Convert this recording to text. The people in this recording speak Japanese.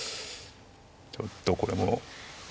ちょっとこれも。